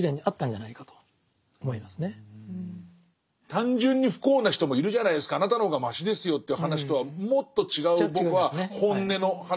単純に不幸な人もいるじゃないですかあなたの方がマシですよという話とはもっと違う僕は本音の話をしている気がして。